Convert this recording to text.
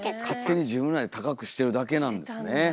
勝手に自分らで高くしてるだけなんですね